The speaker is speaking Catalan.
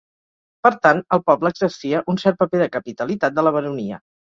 Per tant, el poble exercia un cert paper de capitalitat de la baronia.